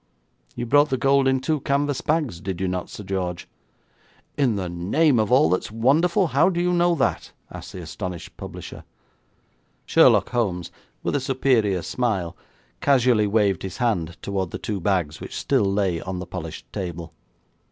You brought the gold in two canvas bags, did you not, Sir George?' 'In the name of all that's wonderful, how do you know that?' asked the astonished publisher. Sherlock Holmes, with a superior smile, casually waved his hand toward the two bags which still lay on the polished table.